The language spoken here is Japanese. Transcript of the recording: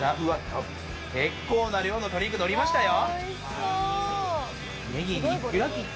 結構な量の鶏肉がのりましたよ。